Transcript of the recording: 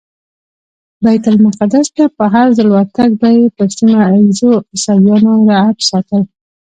بیت المقدس ته په هرځل ورتګ به یې پر سیمه ایزو عیسویانو رعب ساتل.